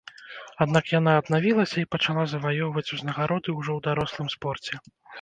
Аднак яна аднавілася і пачала заваёўваць узнагароды ўжо ў дарослым спорце.